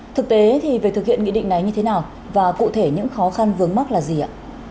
thực tế thì về thực hiện nghị định này như thế nào và cụ thể những khó khăn vướng mắt là gì ạ